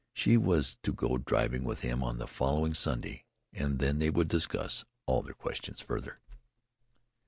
She was to go driving with him on the following Sunday, and then they would discuss all these questions further.